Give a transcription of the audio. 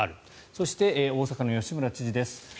そして、大阪の吉村知事です。